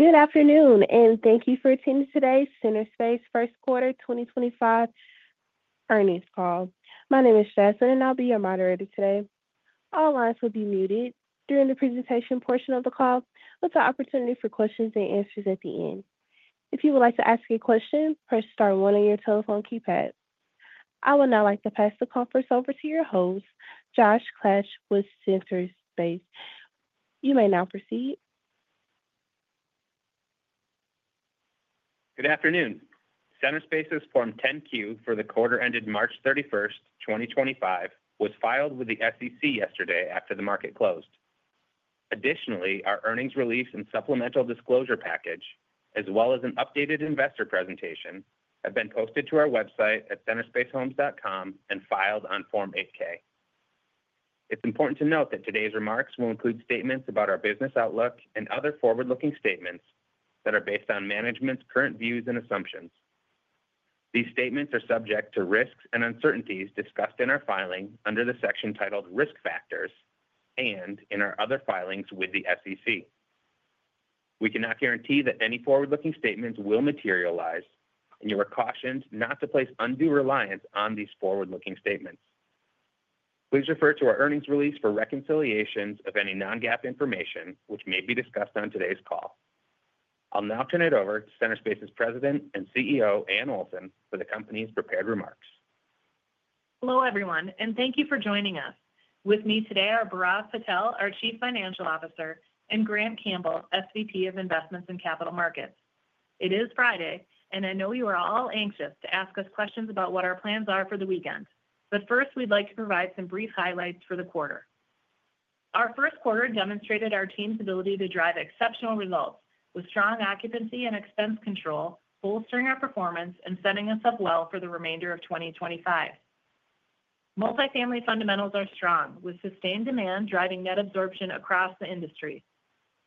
Good afternoon, and thank you for attending today's Centerspace First Quarter 2025 Earnings Call. My name is Jessalyn, and I'll be your moderator today. All lines will be muted during the presentation portion of the call, with the opportunity for questions and answers at the end. If you would like to ask a question, press star one on your telephone keypad. I would now like to pass the conference over to your host, Josh Klaetsch with Centerspace. You may now proceed. Good afternoon. Centerspace's Form 10-Q for the quarter ended March 31, 2025, was filed with the SEC yesterday after the market closed. Additionally, our earnings release and supplemental disclosure package, as well as an updated investor presentation, have been posted to our website at centerspacehomes.com and filed on Form 8-K. It's important to note that today's remarks will include statements about our business outlook and other forward-looking statements that are based on management's current views and assumptions. These statements are subject to risks and uncertainties discussed in our filing under the section titled Risk Factors and in our other filings with the SEC. We cannot guarantee that any forward-looking statements will materialize, and you are cautioned not to place undue reliance on these forward-looking statements. Please refer to our earnings release for reconciliations of any non-GAAP information, which may be discussed on today's call. I'll now turn it over to Centerspace's President and CEO, Anne Olson, for the company's prepared remarks. Hello, everyone, and thank you for joining us. With me today are Bhairav Patel, our Chief Financial Officer, and Grant Campbell, SVP of Investments and Capital Markets. It is Friday, and I know you are all anxious to ask us questions about what our plans are for the weekend. First, we'd like to provide some brief highlights for the quarter. Our first quarter demonstrated our team's ability to drive exceptional results with strong occupancy and expense control, bolstering our performance and setting us up well for the remainder of 2025. Multifamily fundamentals are strong, with sustained demand driving net absorption across the industry.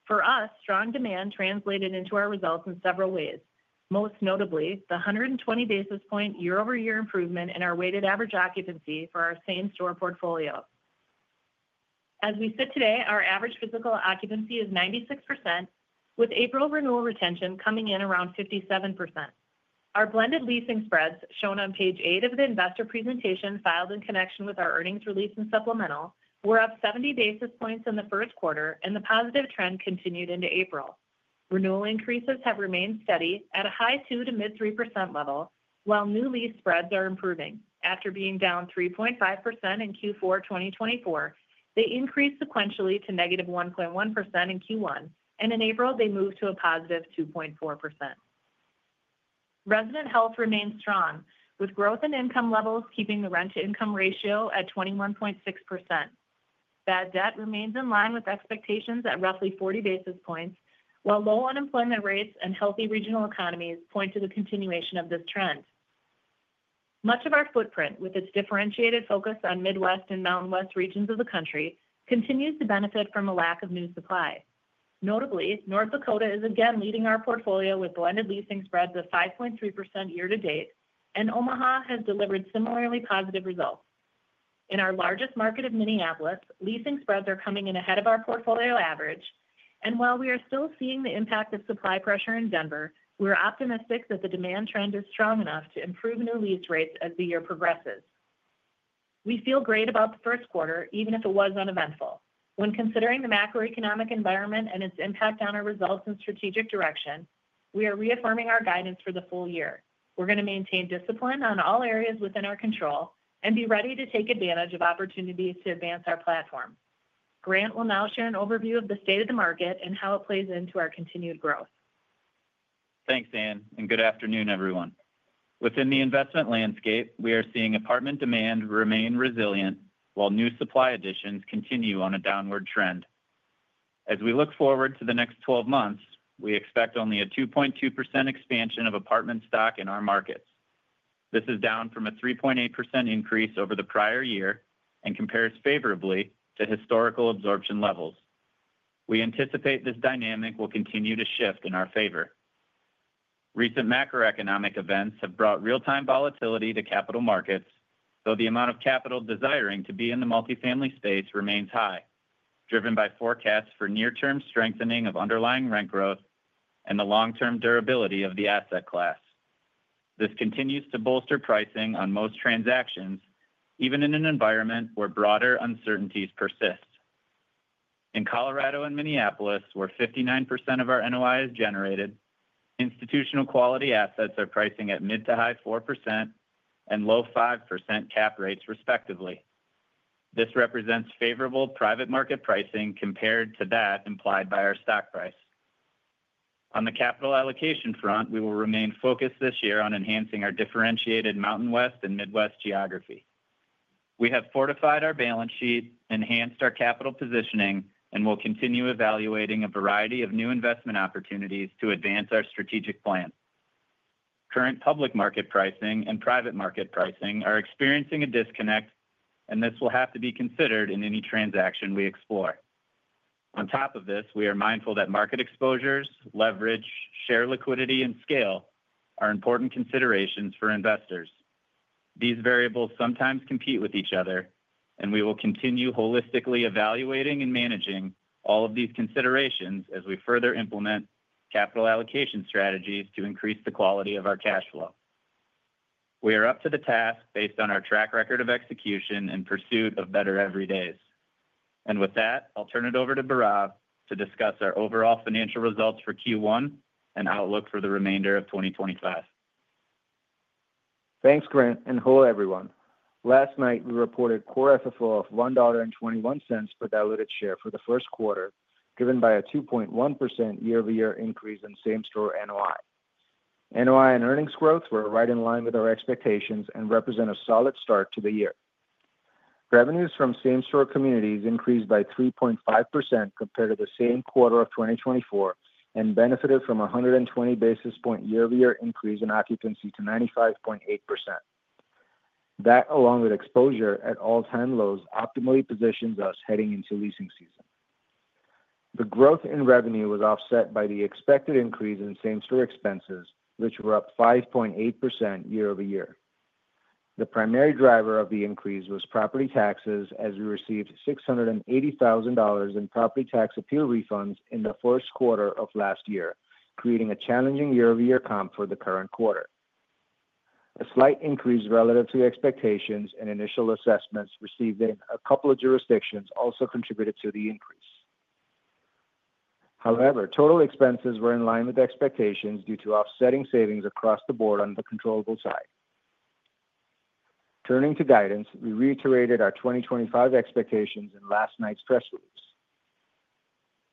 For us, strong demand translated into our results in several ways, most notably the 120 basis point year-over-year improvement in our weighted average occupancy for our same store portfolio. As we sit today, our average physical occupancy is 96%, with April renewal retention coming in around 57%. Our blended leasing spreads, shown on page eight of the investor presentation filed in connection with our earnings release and supplemental, were up 70 basis points in the first quarter, and the positive trend continued into April. Renewal increases have remained steady at a high 2% to mid-3% level, while new lease spreads are improving. After being down 3.5% in Q4 2024, they increased sequentially to negative 1.1% in Q1, and in April, they moved to a positive 2.4%. Resident health remains strong, with growth in income levels keeping the rent-to-income ratio at 21.6%. Bad debt remains in line with expectations at roughly 40 basis points, while low unemployment rates and healthy regional economies point to the continuation of this trend. Much of our footprint, with its differentiated focus on Midwest and Mountain West regions of the country, continues to benefit from a lack of new supply. Notably, North Dakota is again leading our portfolio with blended leasing spreads of 5.3% year-to-date, and Omaha has delivered similarly positive results. In our largest market of Minneapolis, leasing spreads are coming in ahead of our portfolio average, and while we are still seeing the impact of supply pressure in Denver, we're optimistic that the demand trend is strong enough to improve new lease rates as the year progresses. We feel great about the first quarter, even if it was uneventful. When considering the macroeconomic environment and its impact on our results and strategic direction, we are reaffirming our guidance for the full year. We're going to maintain discipline on all areas within our control and be ready to take advantage of opportunities to advance our platform. Grant will now share an overview of the state of the market and how it plays into our continued growth. Thanks, Anne, and good afternoon, everyone. Within the investment landscape, we are seeing apartment demand remain resilient while new supply additions continue on a downward trend. As we look forward to the next 12 months, we expect only a 2.2% expansion of apartment stock in our markets. This is down from a 3.8% increase over the prior year and compares favorably to historical absorption levels. We anticipate this dynamic will continue to shift in our favor. Recent macroeconomic events have brought real-time volatility to capital markets, though the amount of capital desiring to be in the multifamily space remains high, driven by forecasts for near-term strengthening of underlying rent growth and the long-term durability of the asset class. This continues to bolster pricing on most transactions, even in an environment where broader uncertainties persist. In Colorado and Minneapolis, where 59% of our NOI is generated, institutional quality assets are pricing at mid to high 4% and low 5% cap rates, respectively. This represents favorable private market pricing compared to that implied by our stock price. On the capital allocation front, we will remain focused this year on enhancing our differentiated Mountain West and Midwest geography. We have fortified our balance sheet, enhanced our capital positioning, and will continue evaluating a variety of new investment opportunities to advance our strategic plan. Current public market pricing and private market pricing are experiencing a disconnect, and this will have to be considered in any transaction we explore. On top of this, we are mindful that market exposures, leverage, share liquidity, and scale are important considerations for investors. These variables sometimes compete with each other, and we will continue holistically evaluating and managing all of these considerations as we further implement capital allocation strategies to increase the quality of our cash flow. We are up to the task based on our track record of execution and pursuit of better every days. With that, I'll turn it over to Bhairav to discuss our overall financial results for Q1 and outlook for the remainder of 2025. Thanks, Grant, and hello, everyone. Last night, we reported core FFO of $1.21 per diluted share for the first quarter, driven by a 2.1% year-over-year increase in same-store NOI. NOI and earnings growth were right in line with our expectations and represent a solid start to the year. Revenues from same-store communities increased by 3.5% compared to the same quarter of 2024 and benefited from a 120 basis point year-over-year increase in occupancy to 95.8%. That, along with exposure at all-time lows, optimally positions us heading into leasing season. The growth in revenue was offset by the expected increase in same-store expenses, which were up 5.8% year-over-year. The primary driver of the increase was property taxes, as we received $680,000 in property tax appeal refunds in the first quarter of last year, creating a challenging year-over-year comp for the current quarter. A slight increase relative to expectations and initial assessments received in a couple of jurisdictions also contributed to the increase. However, total expenses were in line with expectations due to offsetting savings across the board on the controllable side. Turning to guidance, we reiterated our 2025 expectations in last night's press release.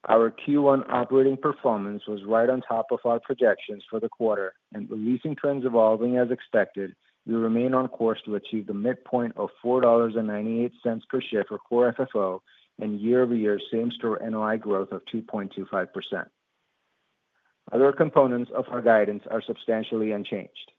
Our Q1 operating performance was right on top of our projections for the quarter, and with leasing trends evolving as expected, we remain on course to achieve the midpoint of $4.98 per share for core FFO and year-over-year same-store NOI growth of 2.25%. Other components of our guidance are substantially unchanged.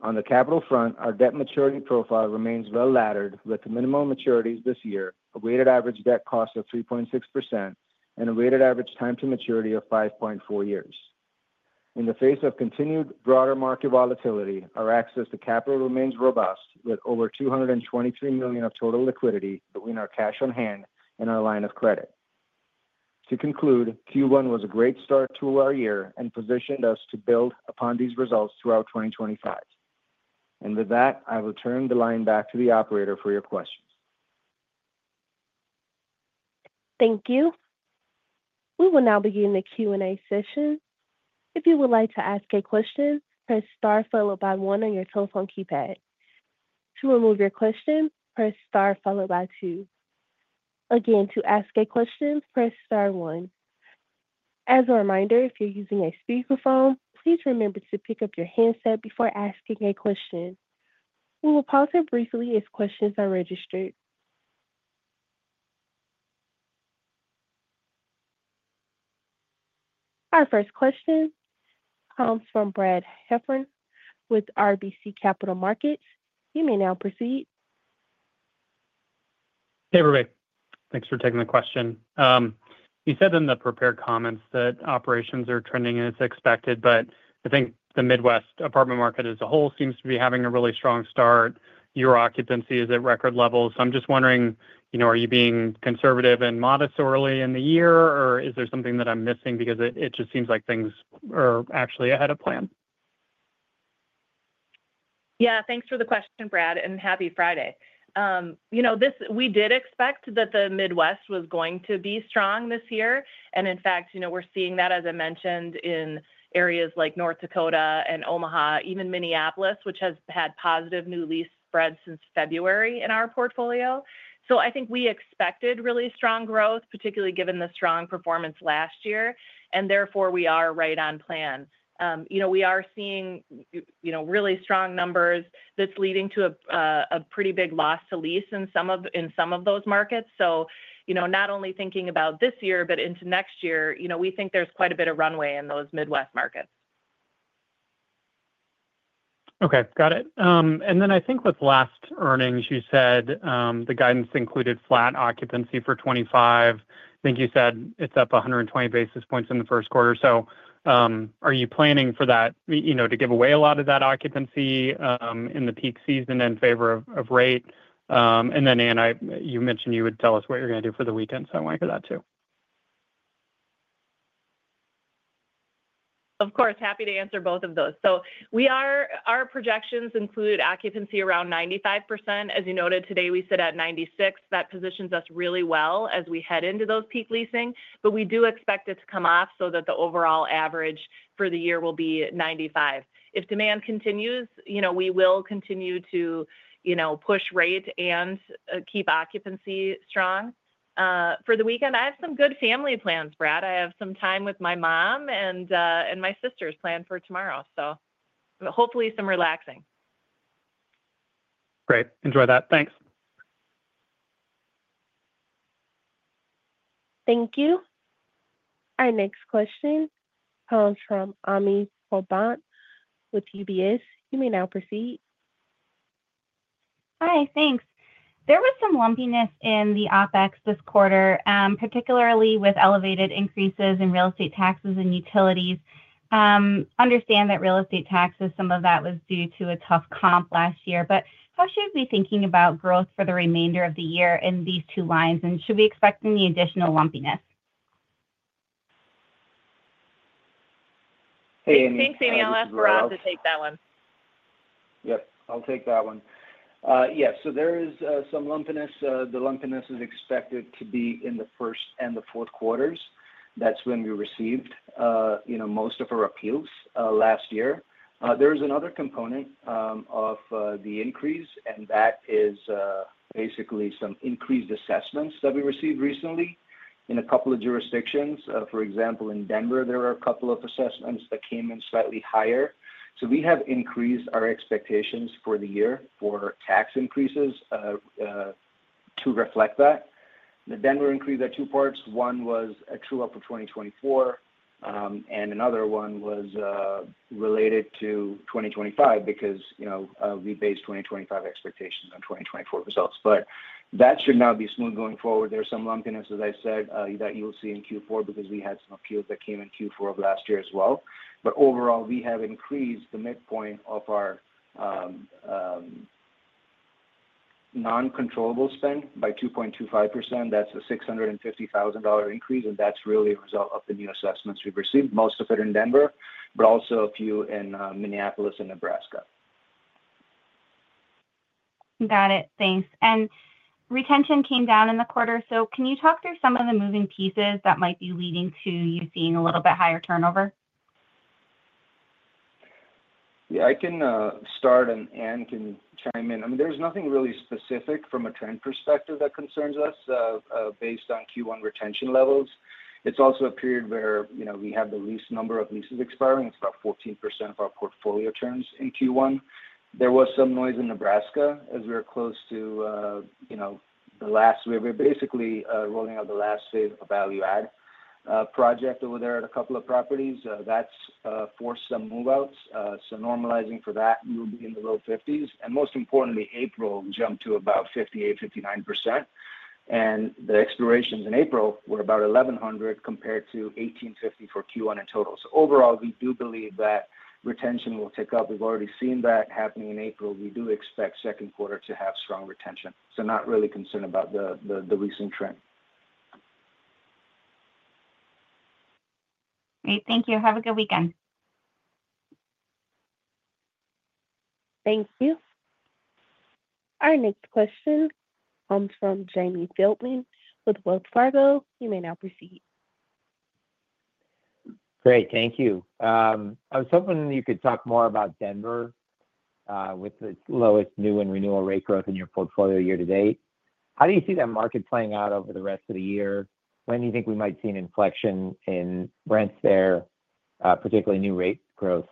On the capital front, our debt maturity profile remains well-laddered with minimal maturities this year, a weighted average debt cost of 3.6%, and a weighted average time to maturity of 5.4 years. In the face of continued broader market volatility, our access to capital remains robust, with over $223 million of total liquidity between our cash on hand and our line of credit. To conclude, Q1 was a great start to our year and positioned us to build upon these results throughout 2025. With that, I will turn the line back to the operator for your questions. Thank you. We will now begin the Q&A session. If you would like to ask a question, press star followed by one on your telephone keypad. To remove your question, press star followed by two. Again, to ask a question, press star one. As a reminder, if you're using a speakerphone, please remember to pick up your handset before asking a question. We will pause here briefly if questions are registered. Our first question comes from Brad Heffern with RBC Capital Markets. You may now proceed. Hey, everybody. Thanks for taking the question. You said in the prepared comments that operations are trending as expected, but I think the Midwest apartment market as a whole seems to be having a really strong start. Your occupancy is at record levels. I am just wondering, are you being conservative and modest early in the year, or is there something that I am missing because it just seems like things are actually ahead of plan? Yeah, thanks for the question, Brad, and happy Friday. We did expect that the Midwest was going to be strong this year. In fact, we're seeing that, as I mentioned, in areas like North Dakota and Omaha, even Minneapolis, which has had positive new lease spreads since February in our portfolio. I think we expected really strong growth, particularly given the strong performance last year, and therefore we are right on plan. We are seeing really strong numbers that's leading to a pretty big loss to lease in some of those markets. Not only thinking about this year, but into next year, we think there's quite a bit of runway in those Midwest markets. Okay, got it. I think with last earnings, you said the guidance included flat occupancy for 2025. I think you said it's up 120 basis points in the first quarter. Are you planning for that to give away a lot of that occupancy in the peak season in favor of rate? Anne, you mentioned you would tell us what you're going to do for the weekend, so I want to hear that too. Of course, happy to answer both of those. Our projections include occupancy around 95%. As you noted, today we sit at 96%. That positions us really well as we head into those peak leasing, but we do expect it to come off so that the overall average for the year will be 95%. If demand continues, we will continue to push rate and keep occupancy strong. For the weekend, I have some good family plans, Brad. I have some time with my mom and my sister's plan for tomorrow, so hopefully some relaxing. Great. Enjoy that. Thanks. Thank you. Our next question comes from Ami Probandt with UBS. You may now proceed. Hi, thanks. There was some lumpiness in the OpEx this quarter, particularly with elevated increases in real estate taxes and utilities. Understand that real estate taxes, some of that was due to a tough comp last year, but how should we be thinking about growth for the remainder of the year in these two lines, and should we expect any additional lumpiness? Hey, Ami. Thanks, Ami. I'll ask Bhairav to take that one. Yep, I'll take that one. Yeah, so there is some lumpiness. The lumpiness is expected to be in the first and the fourth quarters. That's when we received most of our appeals last year. There is another component of the increase, and that is basically some increased assessments that we received recently in a couple of jurisdictions. For example, in Denver, there are a couple of assessments that came in slightly higher. So we have increased our expectations for the year for tax increases to reflect that. The Denver increase had two parts. One was a true up for 2024, and another one was related to 2025 because we based 2025 expectations on 2024 results. That should now be smooth going forward. There's some lumpiness, as I said, that you will see in Q4 because we had some appeals that came in Q4 of last year as well. Overall, we have increased the midpoint of our non-controllable spend by 2.25%. That's a $650,000 increase, and that's really a result of the new assessments we've received, most of it in Denver, but also a few in Minneapolis and Nebraska. Got it. Thanks. Retention came down in the quarter. Can you talk through some of the moving pieces that might be leading to you seeing a little bit higher turnover? Yeah, I can start, and Anne can chime in. I mean, there's nothing really specific from a trend perspective that concerns us based on Q1 retention levels. It's also a period where we have the least number of leases expiring. It's about 14% of our portfolio terms in Q1. There was some noise in Nebraska as we were close to the last wave; we're basically rolling out the last wave of value-add project over there at a couple of properties. That's forced some move-outs. Normalizing for that, we will be in the low 50s. Most importantly, April jumped to about 58%-59%. The expirations in April were about 1,100 compared to 1,850 for Q1 in total. Overall, we do believe that retention will tick up. We've already seen that happening in April. We do expect second quarter to have strong retention. Not really concerned about the recent trend. Great. Thank you. Have a good weekend. Thank you. Our next question comes from Jamie Feldman with Wells Fargo. You may now proceed. Great. Thank you. I was hoping you could talk more about Denver with its lowest new and renewal rate growth in your portfolio year to date. How do you see that market playing out over the rest of the year? When do you think we might see an inflection in rents there, particularly new rate growth?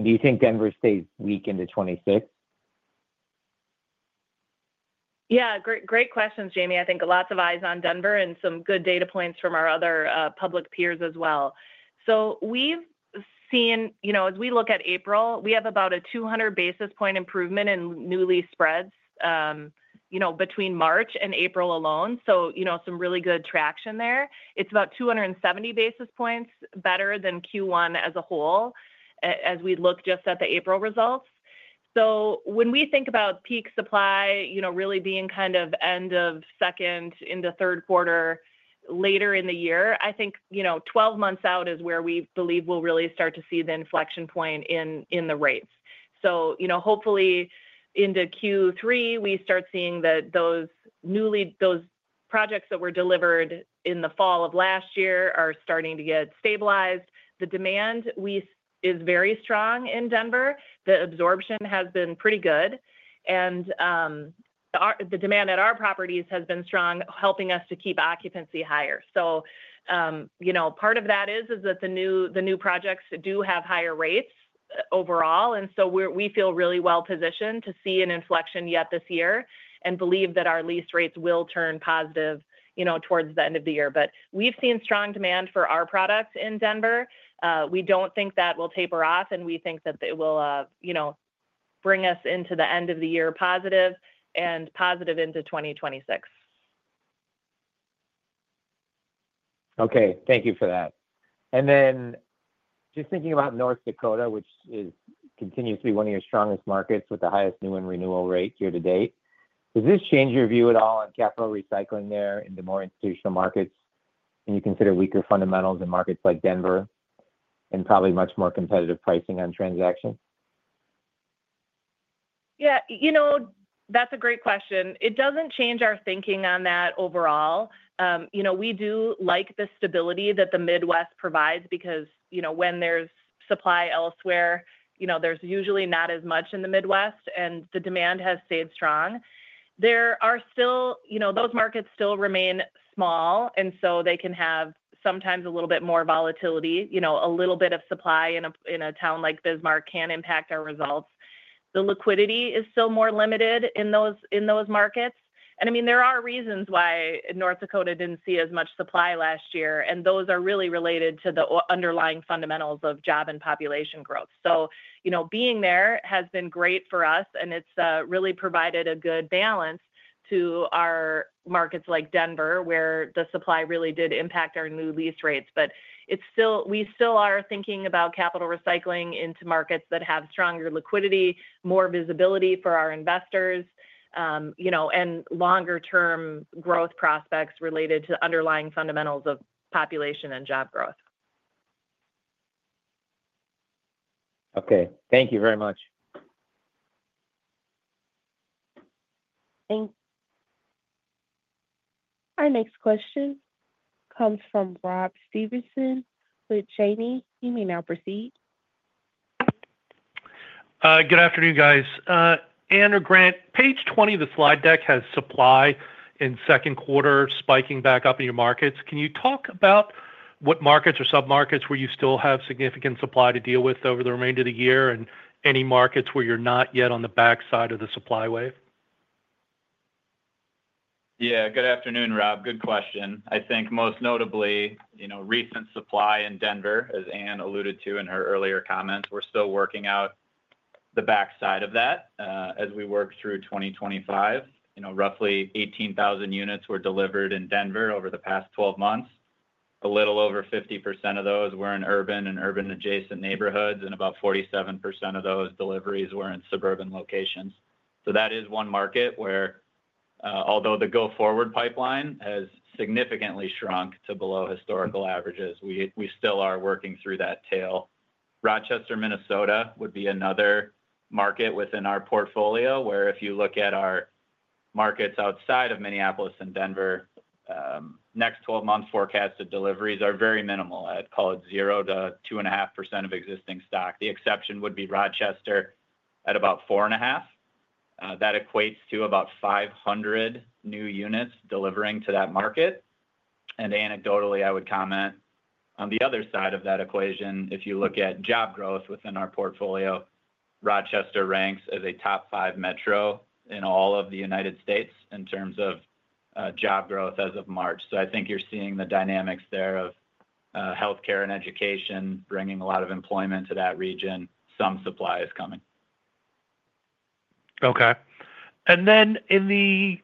Do you think Denver stays weak into 2026? Yeah, great questions, Jamie. I think lots of eyes on Denver and some good data points from our other public peers as well. We have seen, as we look at April, about a 200 basis point improvement in new lease spreads between March and April alone. Some really good traction there. It is about 270 basis points better than Q1 as a whole as we look just at the April results. When we think about peak supply really being kind of end of second into third quarter later in the year, I think 12 months out is where we believe we will really start to see the inflection point in the rates. Hopefully into Q3, we start seeing that those projects that were delivered in the fall of last year are starting to get stabilized. The demand is very strong in Denver. The absorption has been pretty good. The demand at our properties has been strong, helping us to keep occupancy higher. Part of that is that the new projects do have higher rates overall. We feel really well-positioned to see an inflection yet this year and believe that our lease rates will turn positive towards the end of the year. We have seen strong demand for our products in Denver. We do not think that will taper off, and we think that it will bring us into the end of the year positive and positive into 2026. Okay, thank you for that. Then just thinking about North Dakota, which continues to be one of your strongest markets with the highest new and renewal rate year to date, does this change your view at all on capital recycling there in the more institutional markets? Can you consider weaker fundamentals in markets like Denver and probably much more competitive pricing on transactions? Yeah, you know that's a great question. It doesn't change our thinking on that overall. We do like the stability that the Midwest provides because when there's supply elsewhere, there's usually not as much in the Midwest, and the demand has stayed strong. Those markets still remain small, and so they can have sometimes a little bit more volatility. A little bit of supply in a town like Bismarck can impact our results. The liquidity is still more limited in those markets. I mean, there are reasons why North Dakota didn't see as much supply last year, and those are really related to the underlying fundamentals of job and population growth. Being there has been great for us, and it's really provided a good balance to our markets like Denver, where the supply really did impact our new lease rates. We still are thinking about capital recycling into markets that have stronger liquidity, more visibility for our investors, and longer-term growth prospects related to underlying fundamentals of population and job growth. Okay, thank you very much. Thanks. Our next question comes from Rob Stevenson with Janney. You may now proceed. Good afternoon, guys. Anne or Grant, page 20 of the slide deck has supply in second quarter spiking back up in your markets. Can you talk about what markets or sub-markets where you still have significant supply to deal with over the remainder of the year and any markets where you're not yet on the backside of the supply wave? Yeah, good afternoon, Rob. Good question. I think most notably, recent supply in Denver, as Anne alluded to in her earlier comments, we're still working out the backside of that as we work through 2025. Roughly 18,000 units were delivered in Denver over the past 12 months. A little over 50% of those were in urban and urban-adjacent neighborhoods, and about 47% of those deliveries were in suburban locations. That is one market where, although the go-forward pipeline has significantly shrunk to below historical averages, we still are working through that tail. Rochester, Minnesota, would be another market within our portfolio where if you look at our markets outside of Minneapolis and Denver, next 12 months' forecasted deliveries are very minimal. I'd call it 0%-2.5% of existing stock. The exception would be Rochester at about 4.5%. That equates to about 500 new units delivering to that market. I would comment on the other side of that equation, if you look at job growth within our portfolio, Rochester ranks as a top five metro in all of the United States in terms of job growth as of March. I think you're seeing the dynamics there of healthcare and education bringing a lot of employment to that region. Some supply is coming. Okay. In the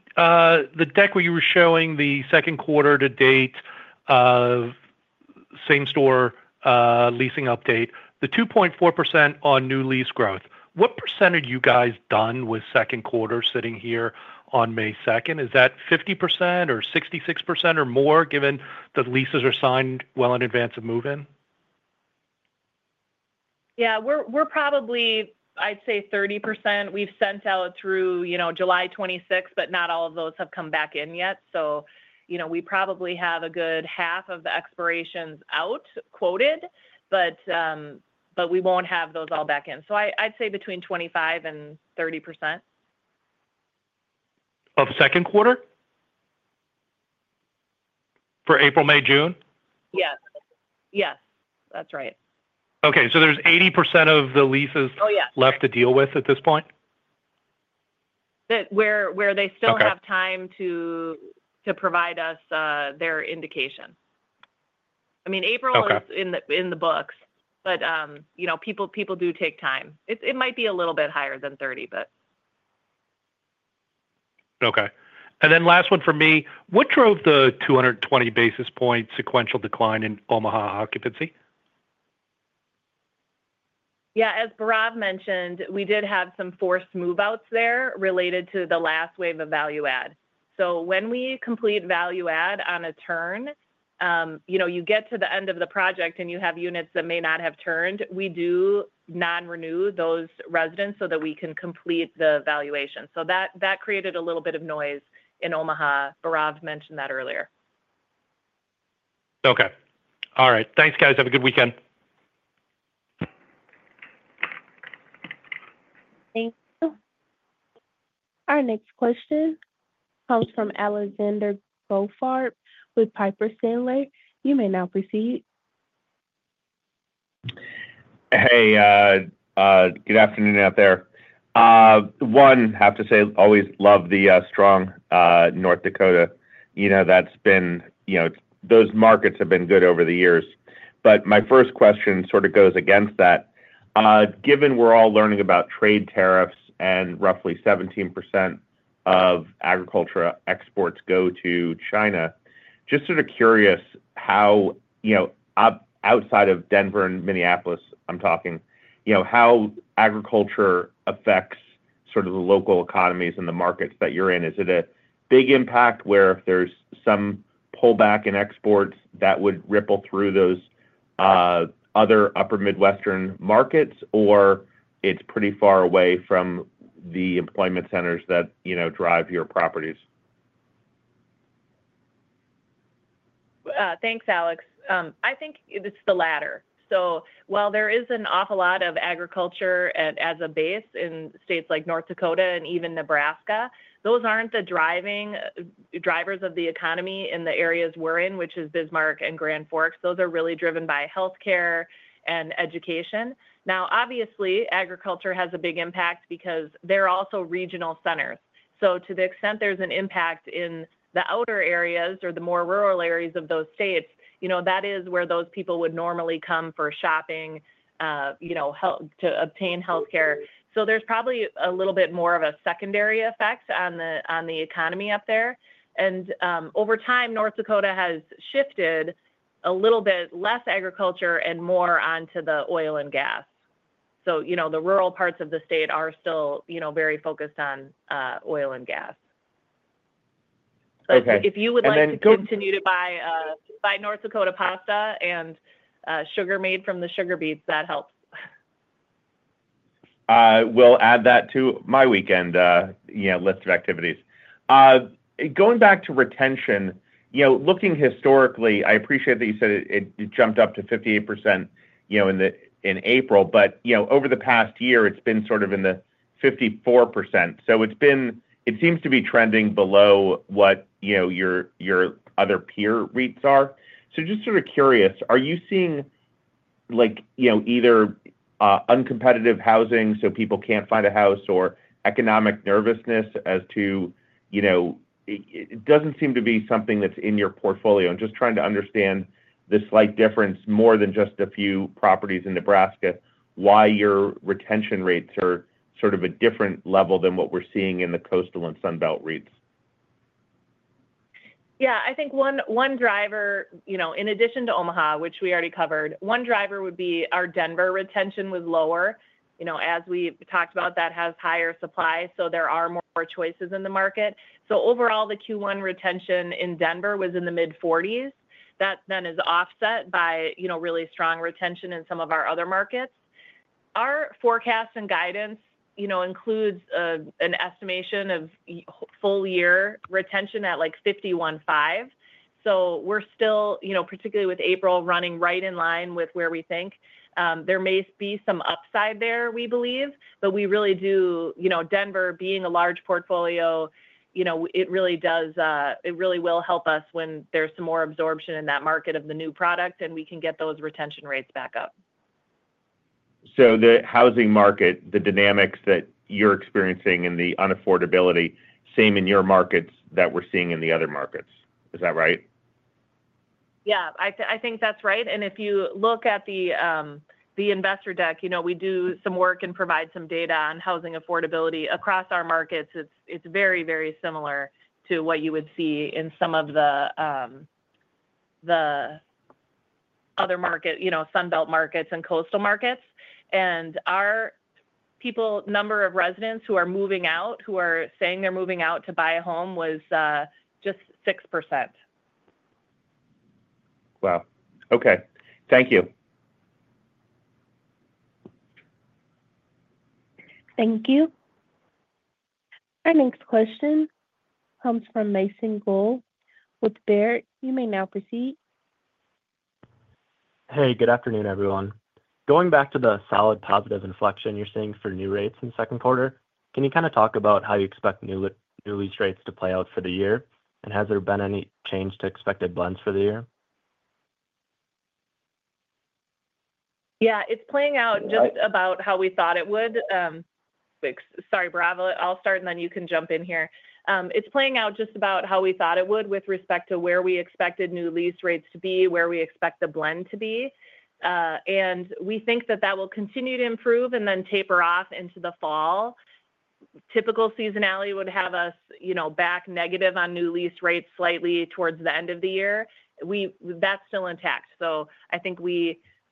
deck where you were showing the second quarter to date same-store leasing update, the 2.4% on new lease growth, what percent are you guys done with second quarter sitting here on May 2nd? Is that 50% or 66% or more given the leases are signed well in advance of move-in? Yeah, we're probably, I'd say, 30%. We've sent out through July 26, but not all of those have come back in yet. We probably have a good half of the expirations out quoted, but we won't have those all back in. I'd say between 25% and 30%. Of second quarter? For April, May, June? Yes. Yes, that's right. Okay. There's 80% of the leases left to deal with at this point? Where they still have time to provide us their indication. I mean, April is in the books, but people do take time. It might be a little bit higher than 30, but. Okay. Last one for me, what drove the 220 basis point sequential decline in Omaha occupancy? Yeah, as Bhairav mentioned, we did have some forced move-outs there related to the last wave of value-add. When we complete value-add on a turn, you get to the end of the project and you have units that may not have turned, we do non-renew those residents so that we can complete the value-add. That created a little bit of noise in Omaha. Bhairav mentioned that earlier. Okay. All right. Thanks, guys. Have a good weekend. Thank you. Our next question comes from Alexander Goldfarb with Piper Sandler. You may now proceed. Hey, good afternoon out there. One, have to say, always love the strong North Dakota. That's been, those markets have been good over the years. My first question sort of goes against that. Given we're all learning about trade tariffs and roughly 17% of agriculture exports go to China, just sort of curious how outside of Denver and Minneapolis, I'm talking, how agriculture affects sort of the local economies and the markets that you're in. Is it a big impact where if there's some pullback in exports, that would ripple through those other upper Midwestern markets, or it's pretty far away from the employment centers that drive your properties? Thanks, Alex. I think it's the latter. While there is an awful lot of agriculture as a base in states like North Dakota and even Nebraska, those aren't the driving drivers of the economy in the areas we're in, which is Bismarck and Grand Forks. Those are really driven by healthcare and education. Obviously, agriculture has a big impact because they're also regional centers. To the extent there's an impact in the outer areas or the more rural areas of those states, that is where those people would normally come for shopping to obtain healthcare. There's probably a little bit more of a secondary effect on the economy up there. Over time, North Dakota has shifted a little bit less agriculture and more onto the oil and gas. The rural parts of the state are still very focused on oil and gas. If you would like to continue to buy North Dakota pasta and sugar made from the sugar beets, that helps. I'll add that to my weekend list of activities. Going back to retention, looking historically, I appreciate that you said it jumped up to 58% in April, but over the past year, it's been sort of in the 54%. It seems to be trending below what your other peer rates are. Just sort of curious, are you seeing either uncompetitive housing so people can't find a house or economic nervousness as to it doesn't seem to be something that's in your portfolio. I'm just trying to understand the slight difference more than just a few properties in Nebraska, why your retention rates are sort of a different level than what we're seeing in the coastal and Sunbelt REITs. Yeah, I think one driver, in addition to Omaha, which we already covered, one driver would be our Denver retention was lower. As we talked about, that has higher supply, so there are more choices in the market. Overall, the Q1 retention in Denver was in the mid-40%. That then is offset by really strong retention in some of our other markets. Our forecast and guidance includes an estimation of full-year retention at like 51.5%. We are still, particularly with April, running right in line with where we think. There may be some upside there, we believe, but we really do, Denver being a large portfolio, it really will help us when there is some more absorption in that market of the new product, and we can get those retention rates back up. The housing market, the dynamics that you're experiencing in the unaffordability, same in your markets that we're seeing in the other markets. Is that right? Yeah, I think that's right. If you look at the investor deck, we do some work and provide some data on housing affordability across our markets. It's very, very similar to what you would see in some of the other markets, Sunbelt markets and coastal markets. Our number of residents who are moving out, who are saying they're moving out to buy a home, was just 6%. Wow. Okay. Thank you. Thank you. Our next question comes from Mason Guell with Baird. You may now proceed. Hey, good afternoon, everyone. Going back to the solid positive inflection you're seeing for new rates in second quarter, can you kind of talk about how you expect new lease rates to play out for the year, and has there been any change to expected blends for the year? Yeah, it's playing out just about how we thought it would. Sorry, Bhairav, I'll start, and then you can jump in here. It's playing out just about how we thought it would with respect to where we expected new lease rates to be, where we expect the blend to be. We think that that will continue to improve and then taper off into the fall. Typical seasonality would have us back negative on new lease rates slightly towards the end of the year. That's still intact. I think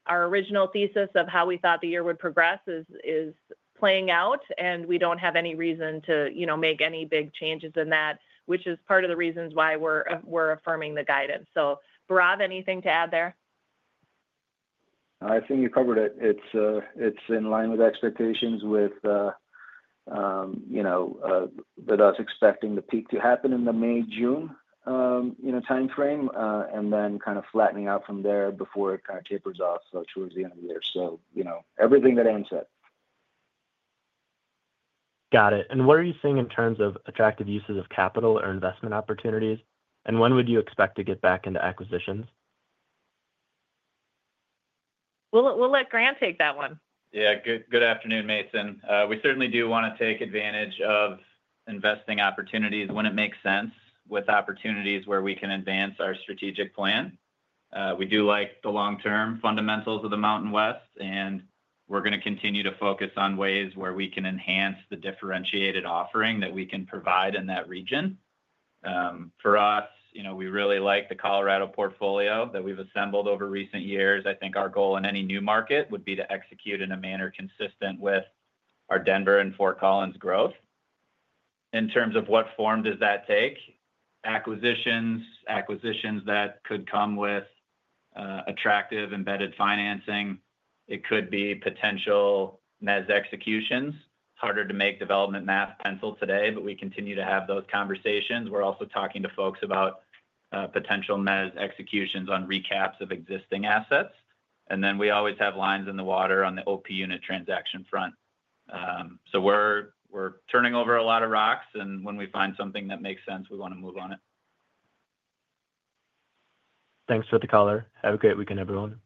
our original thesis of how we thought the year would progress is playing out, and we don't have any reason to make any big changes in that, which is part of the reasons why we're affirming the guidance. Bhairav, anything to add there? I think you covered it. It is in line with expectations with us expecting the peak to happen in the May, June time frame and then kind of flattening out from there before it kind of tapers off towards the end of the year. Everything that Anne said. Got it. What are you seeing in terms of attractive uses of capital or investment opportunities, and when would you expect to get back into acquisitions? We'll let Grant take that one. Yeah, good afternoon, Mason. We certainly do want to take advantage of investing opportunities when it makes sense with opportunities where we can advance our strategic plan. We do like the long-term fundamentals of the Mountain West, and we're going to continue to focus on ways where we can enhance the differentiated offering that we can provide in that region. For us, we really like the Colorado portfolio that we've assembled over recent years. I think our goal in any new market would be to execute in a manner consistent with our Denver and Fort Collins growth. In terms of what form does that take, acquisitions, acquisitions that could come with attractive embedded financing. It could be potential MES executions. It's harder to make development math pencil today, but we continue to have those conversations. We're also talking to folks about potential MES executions on recaps of existing assets. We always have lines in the water on the OP unit transaction front. We are turning over a lot of rocks, and when we find something that makes sense, we want to move on it. Thanks for the call. Have a great weekend, everyone.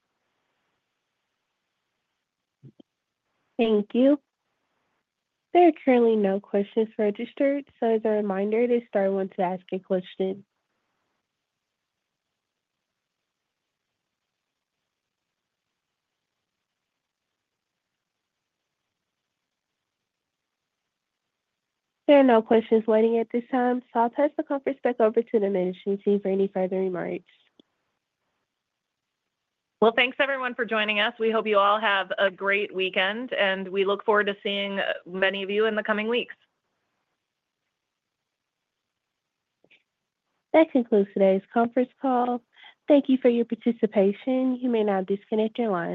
Thank you. There are currently no questions registered. As a reminder, it is star one to ask a question. There are no questions waiting at this time. I will pass the conference back over to the management team for any further remarks. Thanks everyone for joining us. We hope you all have a great weekend, and we look forward to seeing many of you in the coming weeks. That concludes today's conference call. Thank you for your participation. You may now disconnect your line.